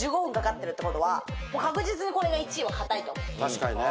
確かにね。